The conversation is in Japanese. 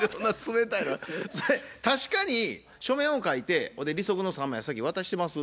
確かに書面を書いて利息の３万円先渡してます。